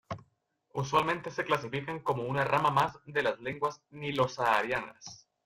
Usualmente se clasifican como una rama más de las lenguas nilo-saharianas.